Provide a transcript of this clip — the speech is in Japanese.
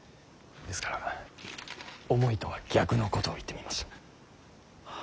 ですから思いとは逆のことを言ってみました。